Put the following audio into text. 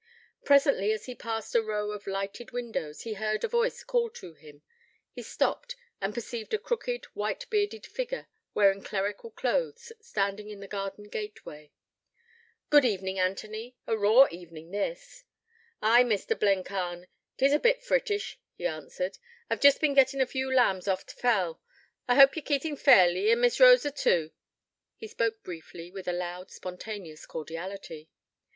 Presently, as he passed a row of lighted windows, he heard a voice call to him. He stopped, and perceived a crooked, white bearded figure, wearing clerical clothes, standing in the garden gateway. 'Good evening, Anthony. A raw evening this.' 'Ay, Mr. Blencarn, it is a bit frittish,' he answered. 'I've jest bin gittin' a few lambs off t'fell. I hope ye're keepin' fairly, an' Miss Rosa too.' He spoke briefly, with a loud, spontaneous cordiality.